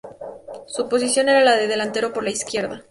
Su posición era la de delantero por la izquierda.